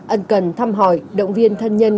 ấn cần thăm hỏi động viên thân nhân